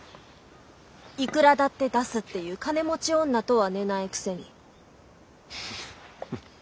いくらだって出すっていう金持ち女とは寝ないくせに。